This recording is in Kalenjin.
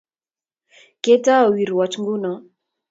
Ketou irwoch nguno